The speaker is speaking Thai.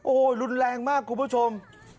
โอ้โหรุนแรงมากคุณผู้ชม